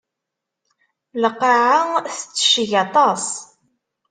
Lqaɛa tettecceg aṭas.